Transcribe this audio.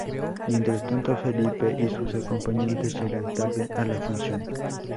Mientras tanto, Felipe y sus acompañantes llegan tarde a la función.